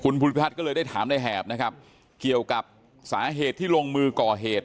ภูริพัฒน์ก็เลยได้ถามในแหบนะครับเกี่ยวกับสาเหตุที่ลงมือก่อเหตุ